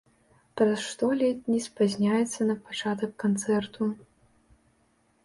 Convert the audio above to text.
Праз што ледзь не спазняецца на пачатак канцэрту.